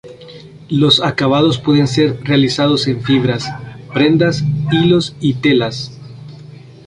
Los acabados pueden ser realizados en fibras, prendas, hilos y telas.